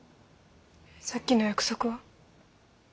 さっきの約束は？